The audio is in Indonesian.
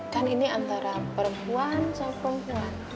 kan ini antara perempuan sama perempuan